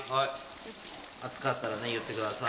熱かったら言ってください。